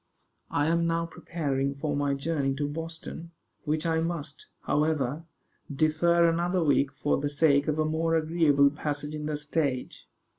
I am now preparing for my journey to Boston, which I must, however, defer another week for the sake of a more agreeable passage in the stage.